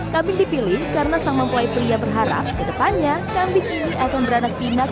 kambing dipilih karena sang mempelai pria berharap ke depannya kambing ini akan beranak pinak